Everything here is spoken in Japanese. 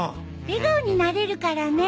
笑顔になれるからね。